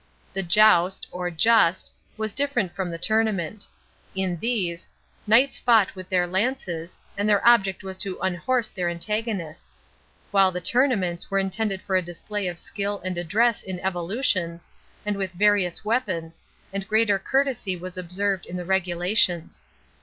The "joust," or "just," was different from the tournament. In these, knights fought with their lances, and their object was to unhorse their antagonists; while the tournaments were intended for a display of skill and address in evolutions, and with various weapons, and greater courtesy was observed in the regulations.